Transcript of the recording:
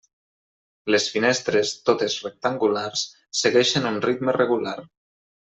Les finestres, totes rectangulars, segueixen un ritme regular.